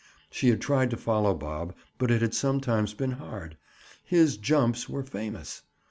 She had tried to follow Bob but it had sometimes been hard. His "jumps" were famous.